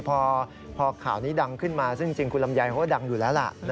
พอข่าวนี้ดังขึ้นมาซึ่งจริงคุณลำไยเขาก็ดังอยู่แล้วล่ะ